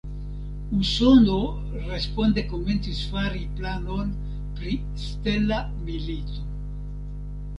Usono responde komencis fari planon pri "stela milito".